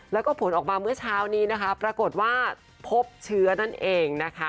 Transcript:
แล้วก็ผลออกมาเมื่อเช้านี้นะคะปรากฏว่าพบเชื้อนั่นเองนะคะ